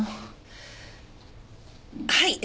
はい！